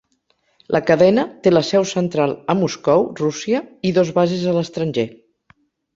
La cadena té la seu central a Moscou, Rússia, i dos bases a l'estranger.